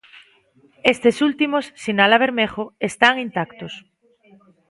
Estes últimos, sinala Bermejo, están intactos.